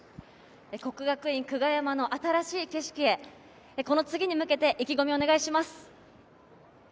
國學院久我山の新しい景色へ、この次に向けて意気込みをお願いします。